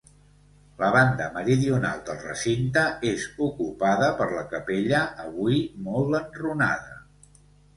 La banda meridional del recinte, és ocupada per la capella avui molt enrunada.